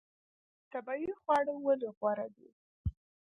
طبیعي خواړه ولې غوره دي؟